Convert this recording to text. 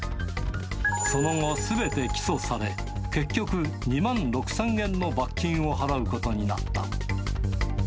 その後、すべて起訴され、結局、２万６０００円の罰金を払うことになった。